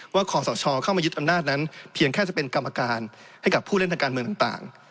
ขอสชเข้ามายึดอำนาจนั้นเพียงแค่จะเป็นกรรมการให้กับผู้เล่นทางการเมืองต่าง